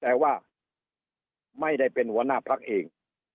แต่ว่าไม่ได้เป็นหัวหน้าพักเอง